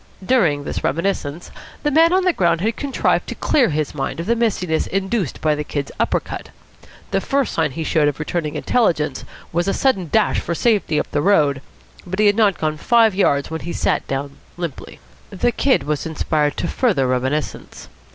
During this reminiscence, the man on the ground had contrived to clear his mind of the mistiness induced by the Kid's upper cut. The first sign he showed of returning intelligence was a sudden dash for safety up the road. But he had not gone five yards when he sat down limply. The Kid was inspired to further reminiscence.